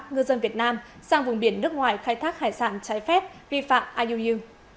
ngư dân việt nam sang vùng biển nước ngoài khai thác hải sản trái phép vi phạm iuu